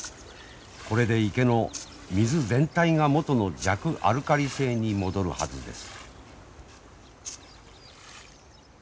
これで池の水全体が元の弱アルカリ性に戻るはずです。